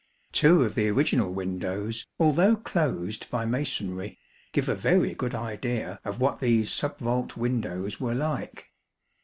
Two of the original windows, although closed by masonry, give a very good idea of what these sub vault windows were like.